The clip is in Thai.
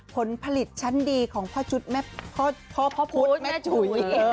ผลผลิตชั้นดีของพ่อพุทธแม่จุ๋ย